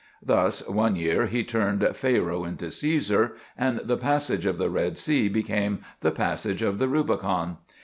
Thus, one year he turned Pharaoh into Cæsar, and the "Passage of the Red Sea" became "The Passage of the Rubicon."